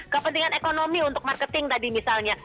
kepentingan ekonomi untuk marketing tadi misalnya